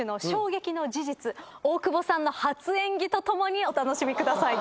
大久保さんの初演技とともにお楽しみください。